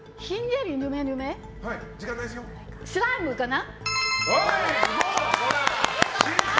スライムかな？